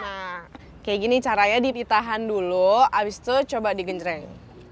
nah kayak gini caranya dipitahan dulu abis itu coba digendreng